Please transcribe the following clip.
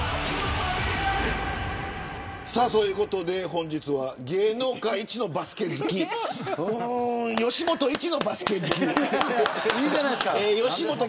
本日は芸能界一のバスケ好きうーん、吉本一のバスケ好き。